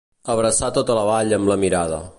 Abraçar tota la vall amb la mirada.